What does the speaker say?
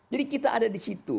jadi kita ada di situ